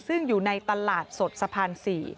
ซึ่งอยู่ในตลาดสดสะพาน๔